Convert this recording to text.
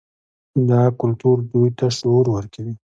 دا کلتور دوی ته شعور ورکوي.